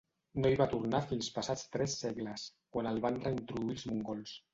No hi va tornar fins passats tres segles, quan el van reintroduir els mongols.